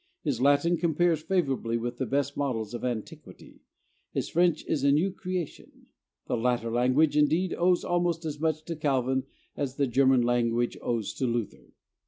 His Latin compares favorably with the best models of antiquity; his French is a new creation. The latter language indeed owes almost as much to Calvin as the German language owes to Luther.